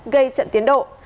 gây trận tiến độ